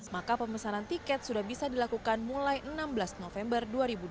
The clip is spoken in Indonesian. maka pemesanan tiket sudah bisa dilakukan mulai enam belas november dua ribu dua puluh